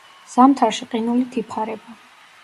ზამთარში ყინულით იფარება.